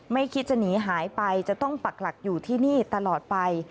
ไม่คิดจะหนีหายไปจะต้องปักหลักอยู่ที่นี่ตลอดไป